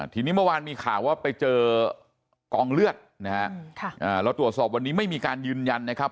ทีนี้เมื่อวานมีข่าวว่าไปเจอกองเลือดนะฮะเราตรวจสอบวันนี้ไม่มีการยืนยันนะครับ